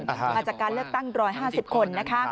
มาจากการเลือกตั้ง๑๕๐คน